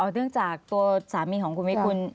เนื่องจากตัวสามีของคุณวิกุล